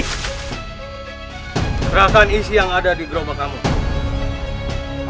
gerakan isi yang ada di gerobak kamu